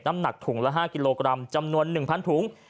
น้ำหนักถุงละ๕กิโลกรัมจำนวน๑๐๐ถุง